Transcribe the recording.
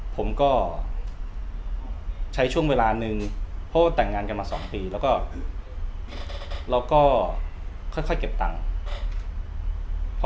ผมก็ใช้เวลานึงว่าหากแต่งงานกันมา๒ปีเราค่อยเก็บตังค์